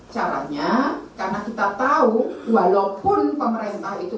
caranya karena kita tahu walaupun pemerintah itu